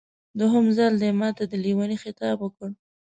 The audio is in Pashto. دویم ځل دې ماته د لېوني خطاب وکړ.